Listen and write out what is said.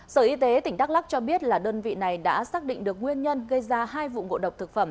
sở y tế tỉnh đắk lắc cho biết là đơn vị này đã xác định được nguyên nhân gây ra hai vụ ngộ độc thực phẩm